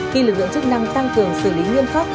khi lực lượng chức năng tăng cường xử lý nguyên pháp